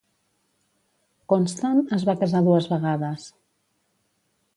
Constant es va casar dues vegades.